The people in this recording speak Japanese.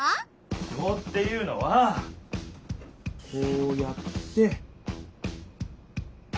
ひょうっていうのはこうやって。